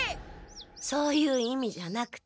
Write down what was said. そういう意味じゃなくて。